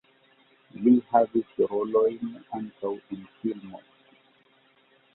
Li havis rolojn ankaŭ en filmoj.